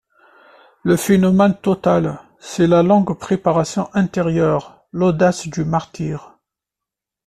Le phénomène total, c'est la longue préparation intérieure, l'audace du martyre.